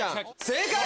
正解！